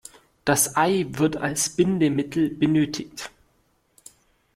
Das Ei wird als Bindemittel benötigt.